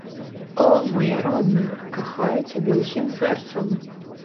О, мая родная, кахаю цябе ўсім сэрцам!